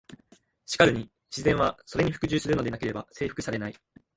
しかるに「自然は、それに服従するのでなければ征服されない」。